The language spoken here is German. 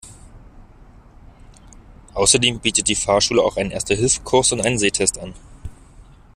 Außerdem bietet die Fahrschule auch einen Erste-Hilfe-Kurs und einen Sehtest an.